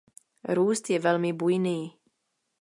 Růst je velmi bujný.